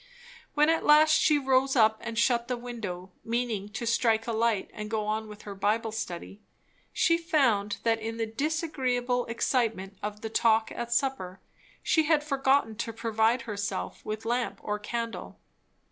When at last she rose up and shut the window, meaning to strike a light and go on with her Bible study, she found that in the disagreeable excitement of the talk at supper she had forgotten to provide herself with lamp or candle.